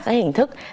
các hình thức này